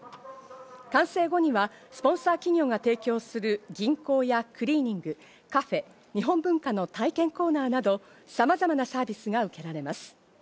完成後にはスポンサー企業が提供する銀行やクリーニング、カフェ、日本文化の体験コーナーなど、さまざまなサービスが受けられます。